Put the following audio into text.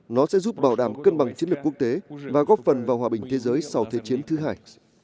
nó sẽ giúp bảo đảm cân bằng chiến lược quốc tế và góp phần vào hòa bình thế giới sau thế chiến thứ hai